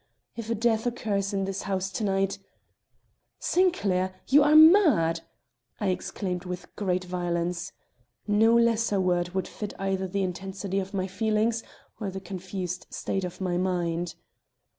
If a death occurs in this house to night " "Sinclair, you are mad!" I exclaimed with great violence. No lesser word would fit either the intensity of my feeling or the confused state of my mind.